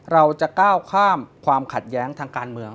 เราจะก้าวข้ามความขัดแย้งทางการเมือง